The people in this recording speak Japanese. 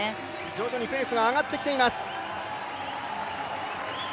徐々にペースが上がってきています。